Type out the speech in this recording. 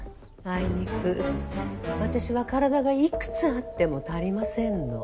あいにく私は体が幾つあっても足りませんの。